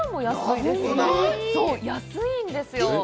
安いんですよ。